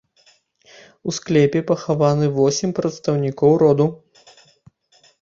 У склепе пахаваны восем прадстаўнікоў роду.